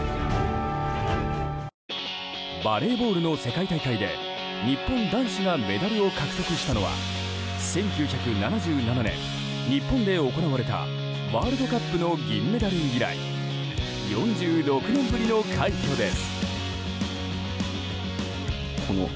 バレーボールの世界大会で日本男子がメダルを獲得したのは１９７７年、日本で行われたワールドカップの銀メダル以来４６年ぶりの快挙です。